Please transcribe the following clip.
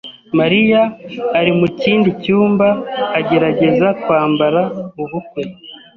Mariya ari mu kindi cyumba agerageza kwambara ubukwe.